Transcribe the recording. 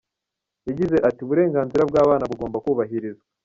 Yagize ati “Uburenganzira bw’abana bugomba kubahirizwa.